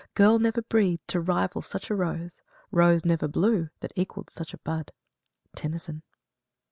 Girl never breathed to rival such a rose; Rose never blew that equalled such a bud." TENNYSON.